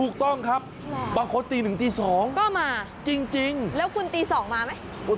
ก็มาคุณพ่อตี๑ตี๒มาจริงแล้วคุณตี๒มาไหม